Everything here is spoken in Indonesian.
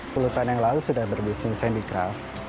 puluhan yang lalu sudah berbisnis handikap